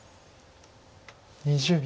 ２０秒。